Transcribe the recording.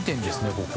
ここ。